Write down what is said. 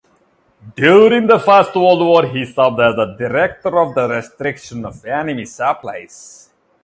During the First World War, he served as Director of Restriction of Enemy Supplies.